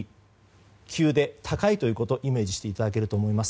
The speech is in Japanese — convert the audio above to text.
急で高いということをイメージしていただけると思います。